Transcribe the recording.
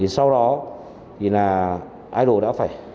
sau đó thì là idol đã phải